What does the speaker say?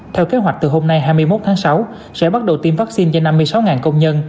theo kế hoạch từ hôm nay hai mươi một tháng sáu sẽ bắt đầu tiêm vaccine cho năm mươi sáu công nhân